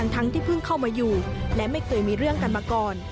ทั้งที่เพิ่งเข้ามาอยู่และไม่เคยมีเรื่องกันมาก่อน